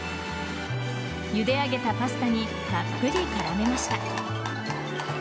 ゆで上げたパスタにたっぷり絡めました。